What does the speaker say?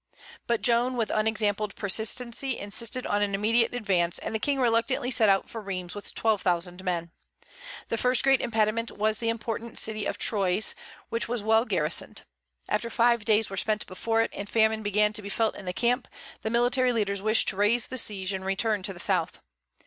But Joan with unexampled persistency insisted on an immediate advance, and the King reluctantly set out for Rheims with twelve thousand men. The first great impediment was the important city of Troyes, which was well garrisoned. After five days were spent before it, and famine began to be felt in the camp, the military leaders wished to raise the siege and return to the south.